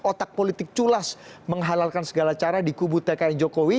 otak politik culas menghalalkan segala cara di kubu tkn jokowi